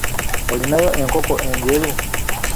Olinayo enkoko enjeru?